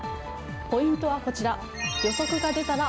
ポイントはこちら。